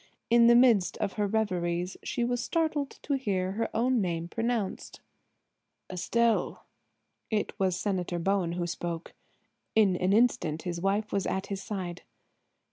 In the midst of her reveries she was startled to hear her own name pronounced: "Estelle." It was Senator Bowen who spoke. In an instant his wife was at his side.